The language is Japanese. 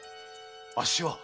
あっしは？